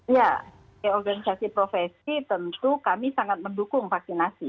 ya organisasi profesi tentu kami sangat mendukung vaksinasi